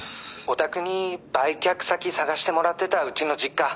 ☎おたくに売却先探してもらってたうちの実家。